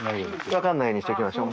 分かんないようにしときましょう。